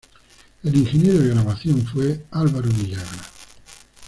El ingeniero de grabación fue Alvaro Villagra.